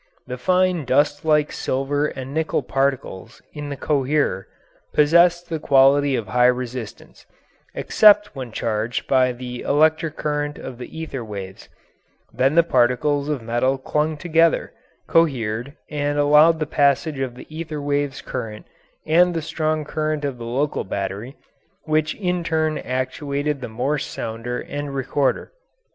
The fine dust like silver and nickel particles in the coherer possessed the quality of high resistance, except when charged by the electric current of the ether waves; then the particles of metal clung together, cohered, and allowed of the passage of the ether waves' current and the strong current of the local battery, which in turn actuated the Morse sounder and recorder.